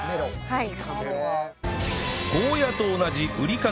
はい。